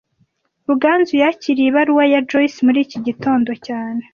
Ruganzu yakiriye ibaruwa ya Joyce muri iki gitondo cyane